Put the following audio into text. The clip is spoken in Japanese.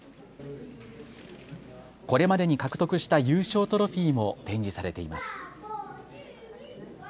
これまでに獲得した優勝トロフィーも展示されています。